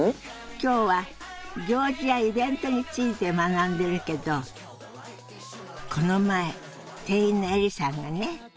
今日は行事やイベントについて学んでるけどこの前店員のエリさんがね